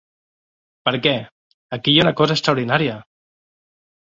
Per què, aquí hi ha una cosa extraordinària!